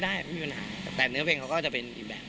ไม่มีปัญหะแต่เหนือเพลงเค้าก็เป็นแบบ